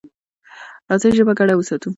راځئ ژبه ګډه وساتو.